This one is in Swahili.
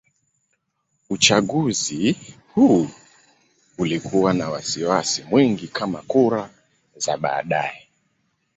Uchaguzi huu ulikuwa na wasiwasi mwingi kama kura za baadaye.